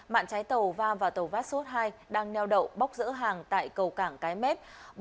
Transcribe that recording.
mạng trái tàu va vào tàu vát sốt hai đang neo đậu bóc giữa hàng tại cầu cảng cái mét